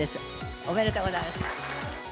おめでとうございます。